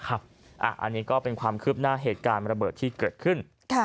อันนี้ก็เป็นความคืบหน้าเหตุการณ์ระเบิดที่เกิดขึ้น